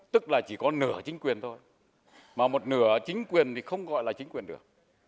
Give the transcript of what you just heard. tức là chỉ có nửa chính quyền thôi mà một nửa chính quyền thì không gọi là chính quyền được